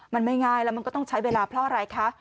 มันไม่ง่ายแล้วมันก็ต้องใช้เวลาเพราะอะไรคะ